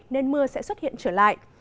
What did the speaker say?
nên mưa sẽ xuất hiện trở lại